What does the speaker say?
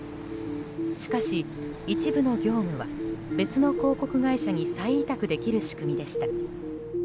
しかし、一部の業務は別の広告会社に再委託できる仕組みでした。